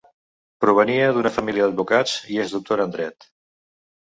Provenia d'una família d'advocats i es doctorà en dret.